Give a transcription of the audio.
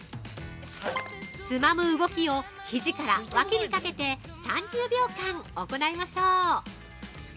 ◆つまむ動きをひじから脇にかけて３０秒間行いましょう。